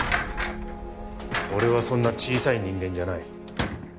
俺はそんな小さい人間じゃない。